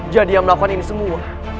jadi yang melakukan ini semua